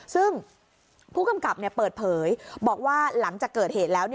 ซึ่งผู้กำกับเปิดเผยบอกว่าหลังจากเกิดเหตุแล้ว